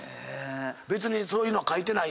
別にそういうのは書いてないけど。